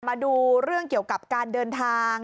มาดูเรื่องเกี่ยวกับการเดินทาง